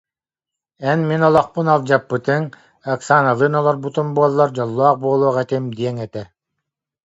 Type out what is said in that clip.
Эн мин олохпун алдьаппытыҥ, Оксаналыын олорбутум буоллар дьоллоох буолуох этим диэҥ этэ